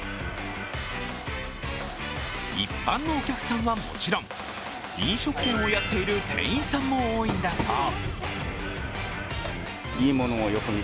一般のお客さんはもちろん飲食店をやっている店員さんも多いんだそう。